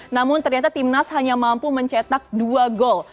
namun ternyata timnas hanya mampu mencetak dua gol